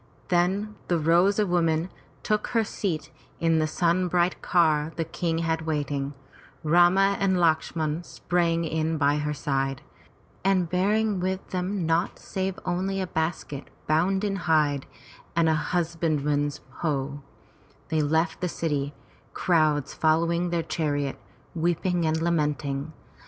Then the Rose of Women took her seat in the sun bright car the King had waiting; Rama and Lakshman sprang in by her side, and bearing with them naught save only a basket bound in hide and a husbandman's hoe, they left the city, crowds following their chariot, weeping and lamenting.